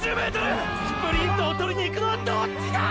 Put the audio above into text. スプリントをとりにいくのはどっちだ